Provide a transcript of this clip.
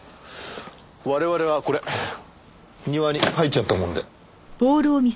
我々はこれ庭に入っちゃったもんで。